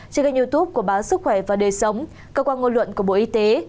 trên kênh youtube của báo sức khỏe và đời sống cơ quan ngôn luận của bộ y tế